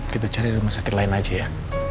kita cari di rumah sakit lain aja ya